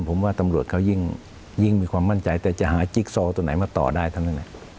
ผมว่าตำรวจเขายิ่งมีความมั่นใจแต่จะหาจิ๊กซอตัวไหนมาต่อได้เท่านั้น